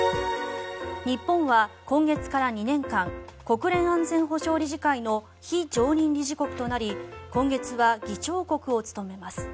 日本は今月から２年間国連安全保障理事会の非常任理事国となり今月は議長国を務めます。